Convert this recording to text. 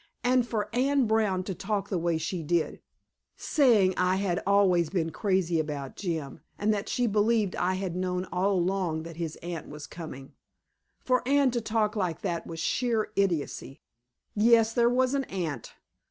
And for Anne Brown to talk the way she did saying I had always been crazy about Jim, and that she believed I had known all along that his aunt was coming for Anne to talk like that was sheer idiocy. Yes, there was an aunt.